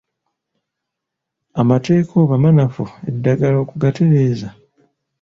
Amateeka oba manafu eddagala kugatereeza.